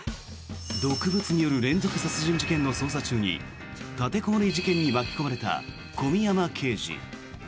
毒物による連続殺人事件の捜査中に立てこもり事件に巻き込まれた小宮山刑事。